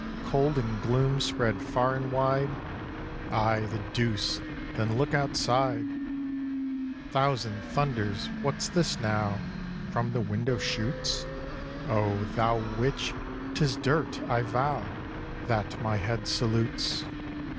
Cold and gloom spread far and wide! Ay, the deuce! then look outside! Thousand thunders! what's this now From the window shoots? Oh, thou witch! 'Tis dirt, I vow, That my head salutes!